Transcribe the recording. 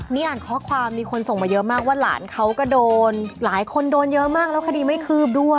นี่อ่านข้อความมีคนส่งมาเยอะมากว่าหลานเขาก็โดนหลายคนโดนเยอะมากแล้วคดีไม่คืบด้วย